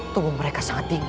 tubuh mereka sangat dingin